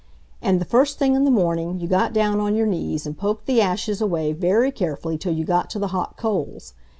And the first thing in the morning, you got down on your knees and poked the ashes away very carefully till you got to the hot coals.